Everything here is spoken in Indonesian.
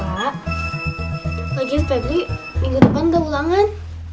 lagian febri minggu depan gak ulangan